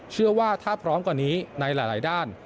เชื่อว่าถ้าพร้อมกว่านี้ในหลายด้าน